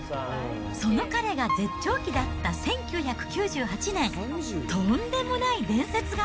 その彼が絶頂期だった１９９８年、とんでもない伝説が。